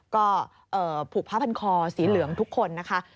ก็ผูกผ้าพันคอสีเหลืองทุกคนนะคะ